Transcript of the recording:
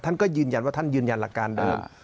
ท่านก็ยืนยันว่าท่านยืนยันหลักการเดิม